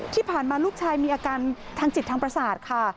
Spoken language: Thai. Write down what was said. ที่ผ่านมาลูกชายมีอาการทางจิตทางประสาทค่ะ